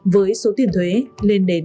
với số tiền thuế lên đến hai mươi tỷ đồng